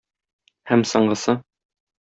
Һәм соңгысы.